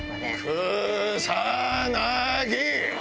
くさなぎ！